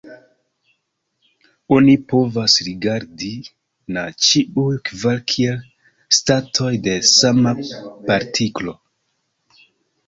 Oni povas rigardi na ĉiuj kvar kiel statoj de sama partiklo.